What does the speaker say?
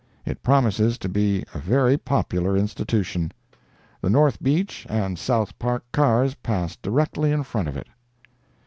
It promises to be a very popular institution. The North Beach and South Park cars pass directly in front of it.